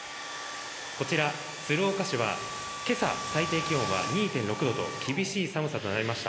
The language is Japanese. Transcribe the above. こちら、鶴岡市は今朝、最低気温は２．６度と厳しい寒さとなりました。